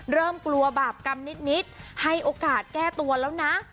เริ่มกลัวบาปกรรมนิดให้โอกาสแก้ตัวแล้วนะ